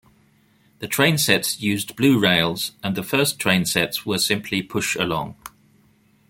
The train sets used blue rails, and the first train sets were simply push-along.